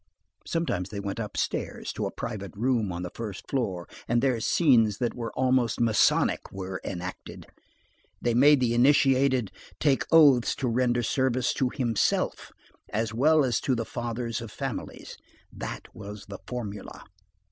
Sometimes they went upstairs, to a private room on the first floor, and there scenes that were almost masonic were enacted. They made the initiated take oaths to render service to himself as well as to the fathers of families. That was the formula.